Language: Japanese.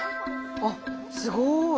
あっすごい！